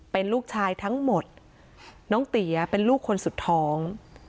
เป็นลูกชายทั้งหมดน้องเตี๋ยเป็นลูกคนสุดท้อง